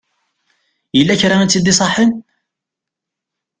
Yella kra i tt-id-iṣaḥen?